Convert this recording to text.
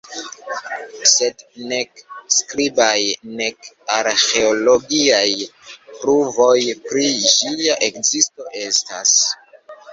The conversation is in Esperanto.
Sed nek skribaj, nek arĥeologiaj pruvoj pri ĝia ekzisto estas.